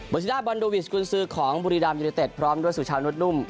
บอร์ซีด้าบอนดูวิสคุณซื้อของบุรีดำยนต์เต็ดพร้อมด้วยสุชาวนุษย์นุ่ม